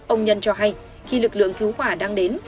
ông nhân cho hay khi lực lượng cứu hỏa đang đến